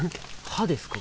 歯ですか？